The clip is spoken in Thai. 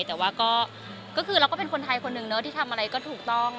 แต่ว่าก็คือเราก็เป็นคนไทยคนหนึ่งเนอะที่ทำอะไรก็ถูกต้อง